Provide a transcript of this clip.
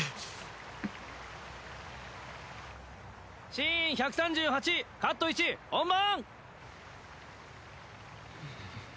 シーン１３８カット１本番！